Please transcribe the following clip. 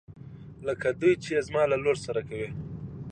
لکه دوی چې يې زما له لور سره کوي.